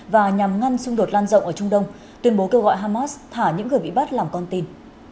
và nhằm ngăn xung đột lan rộng ở trung đông tuyên bố kêu gọi hamas thả những người bị bắt làm con tin